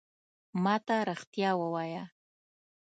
ما ته رېښتیا ووایه !